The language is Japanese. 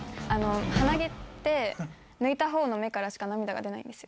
鼻毛って、抜いたほうの目からしか涙が出ないんですよ。